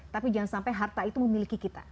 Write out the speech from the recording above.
tapi jangan sampai harta itu memiliki kita